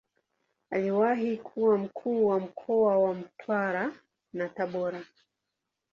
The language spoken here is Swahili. Aliwahi kuwa Mkuu wa mkoa wa Mtwara na Tabora.